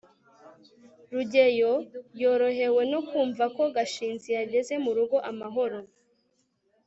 rugeyo yorohewe no kumva ko gashinzi yageze mu rugo amahoro